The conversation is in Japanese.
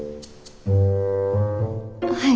はい。